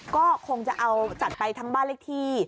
ก็คงจะเอาจัดไปทั้งบ้านเลขที่